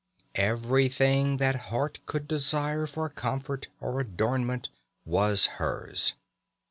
Everything that heart could desire for comfort or adornment was hers.